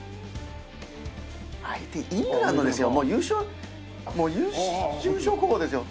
相手イングランドですよ。